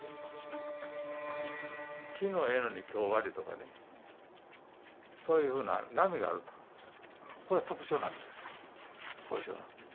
きのうええのにきょう悪いとかね、そういうふうな波があると、これが特徴なんです、後遺症の。